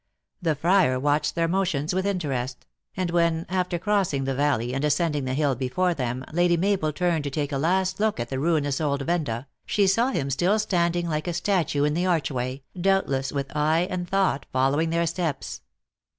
The friar watched their motions with interest ; and when, after crossing the valley and ascending the hill before them, Lady Mabel turned to take a last look at the ruinous old venda, she saw him still standing like a statue in the archway, doubtless with eye and thought following their steps.